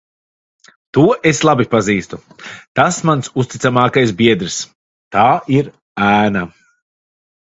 To es labi pazīstu. Tas mans uzticamākais biedrs. Tā ir ēna.